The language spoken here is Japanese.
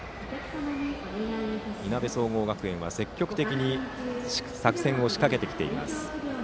いなべ総合学園は積極的に作戦を仕掛けてきています。